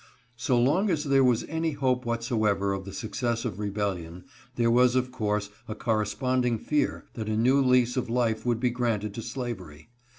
So long as there was any hope whatsoever of the suc cess of Rebellion, there was of course a corresponding fear that a new lease of life would be granted to slavery.